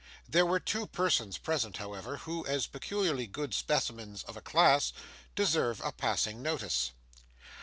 There were two persons present, however, who, as peculiarly good specimens of a class, deserve a passing notice.